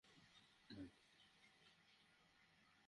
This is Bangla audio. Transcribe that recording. আর আমি আপনার জন্য একটি বকরী যবাহ করে আনছি।